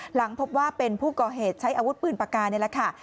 หลังพบว่าเป็นผู้ก่อเหตุใช้อาวุธปืนปากกานี่แหละค่ะ